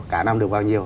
cả năm đưa bao nhiêu